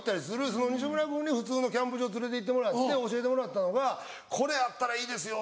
その西村君に普通のキャンプ場連れて行ってもらって教えてもらったのが「これあったらいいですよ」